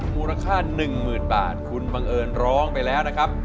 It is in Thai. มูลค่าหนึ่งหมื่นบาทคุณบังเอิญร้องไปแล้วนะครับ